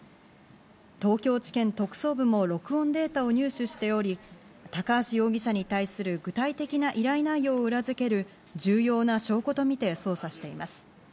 東京地検特捜部も録音データを入手しており、高橋容疑者に対する具体的な依頼内容を裏付ける重要な証拠とみて捜査しています。